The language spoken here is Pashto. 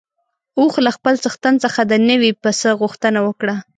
اوښ له خپل څښتن څخه د نوي پسه غوښتنه وکړه.